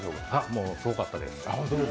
もうすごかったです。